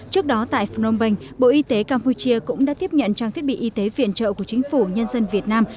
trước đó tại phnom penh bộ y tế campuchia cũng đã tiếp nhận trang thiết bị y tế viện trợ của chính phủ nhân dân việt nam